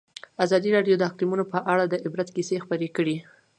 ازادي راډیو د اقلیتونه په اړه د عبرت کیسې خبر کړي.